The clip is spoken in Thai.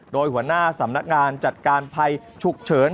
โดยหัวหน้าสำนักงานจัดการภัยฉุกเฉิน